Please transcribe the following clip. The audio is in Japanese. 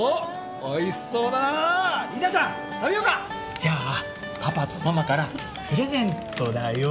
じゃあパパとママからプレゼントだよ。